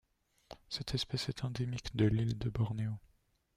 Cette espèce est endémique de l'île de Bornéo.